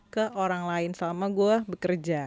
ke orang lain selama gue bekerja